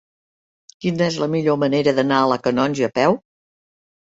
Quina és la millor manera d'anar a la Canonja a peu?